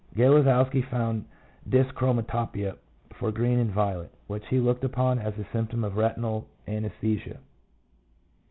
3 Galezowski found dyschroma topia for green and violet, which he looked upon as a symptom of retinal anaesthesia.